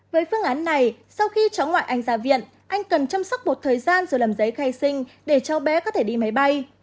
với phương án này sau khi cháu ngoại anh ra viện anh cần chăm sóc một thời gian rồi làm giấy khai sinh để cháu bé có thể đi máy bay